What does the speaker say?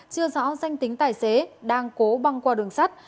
chưa rõ danh tính tài xế đang cố băng qua đường sắt